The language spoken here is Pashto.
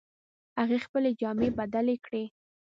هغې خپلې جامې بدلې کړې